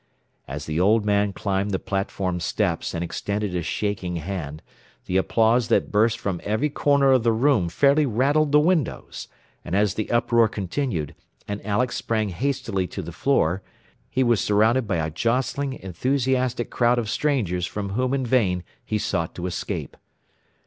As the old man climbed the platform steps and extended a shaking hand, the applause that burst from every corner of the room fairly rattled the windows; and as the uproar continued, and Alex sprang hastily to the floor, he was surrounded by a jostling, enthusiastic crowd of strangers from whom in vain he sought to escape.